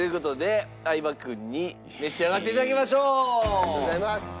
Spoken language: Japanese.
ありがとうございます。